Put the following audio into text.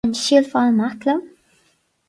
An siúlfá amach liom?